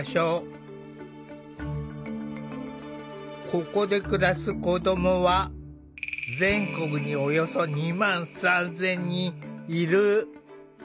ここで暮らす子どもは全国におよそ２万３，０００人いる。